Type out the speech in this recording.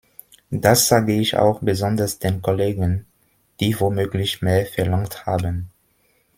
Das sage ich auch besonders den Kollegen, die womöglich mehr verlangt haben.